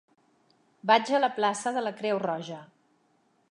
Vaig a la plaça de la Creu Roja.